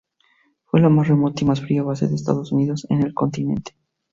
Fue la más remota y más fría base de Estados Unidos en el continente.